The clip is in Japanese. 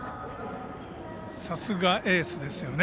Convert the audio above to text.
さすがエースですよね